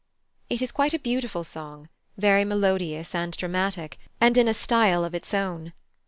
It is quite a beautiful song, very melodious and dramatic, and in a style of its own.